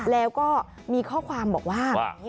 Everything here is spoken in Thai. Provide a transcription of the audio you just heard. แล้วก็มีข้อความบอกว่า